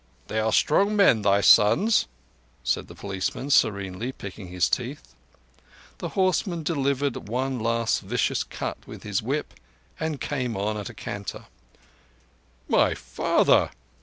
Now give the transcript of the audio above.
"They are strong men, thy sons," said the policeman serenely, picking his teeth. The horseman delivered one last vicious cut with his whip and came on at a canter. "My father!"